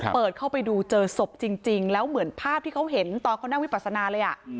เปิดเข้าไปดูเจอศพจริงแล้วเหมือนภาพที่เขาเห็นตอนเขานั่งวิปัสนาเลย